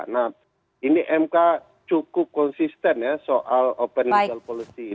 nah ini mk cukup konsisten ya soal open legal policy